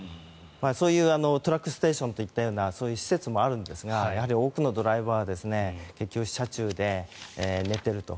そういうトラックステーションというようなそういう施設もあるんですが多くのドライバーは結局、車中で寝ていると。